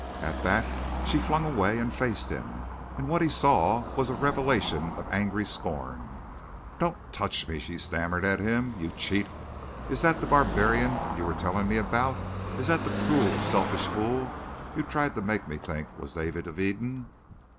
At that she flung away and faced him, and what he saw was a revelation of angry scorn. "Don't touch me," she stammered at him. "You cheat! Is that the barbarian you were telling me about? Is that the cruel, selfish fool you tried to make me think was David of Eden?"